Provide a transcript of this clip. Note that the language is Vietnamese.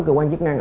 cơ quan chức năng